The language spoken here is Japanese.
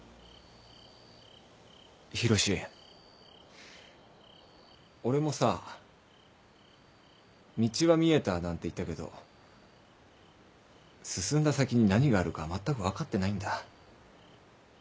浩志俺もさ道は見えたなんて言ったけど進んだ先に何があるかまったく分かってないんだ。